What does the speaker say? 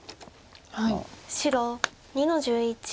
白２の十一。